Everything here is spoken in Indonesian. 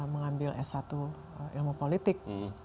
mengambil s satu ilmu politik